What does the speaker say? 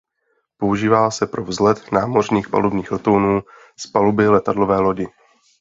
Používá se pro vzlet námořních palubních letounů z paluby letadlové lodi.